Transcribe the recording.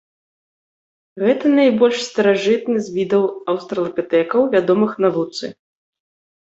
Гэта найбольш старажытны з відаў аўстралапітэкаў, вядомых навуцы.